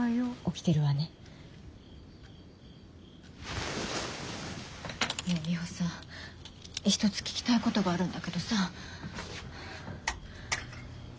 ねぇミホさん一つ聞きたいことがあるんだけどさ。